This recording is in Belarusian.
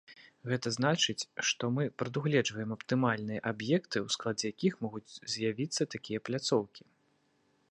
Гэта значыць, што мы прадугледжваем аптымальныя аб'екты, у складзе якіх могуць з'явіцца такія пляцоўкі.